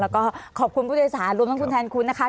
แล้วก็ขอบคุณผู้โดยสารรวมทั้งคุณแทนคุณนะคะ